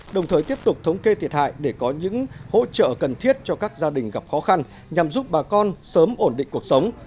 đồng thời tiếp tục thống kê thiệt hại để có những hỗ trợ cần thiết cho các gia đình gặp khó khăn nhằm giúp bà con sớm ổn định cuộc sống